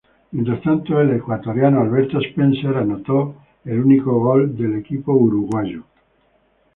Mientras tanto, el ecuatoriano Alberto Spencer anotó el único gol del equipo uruguayo.